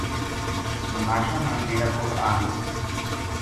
نماشاں نا ڈیرا کول آ گئی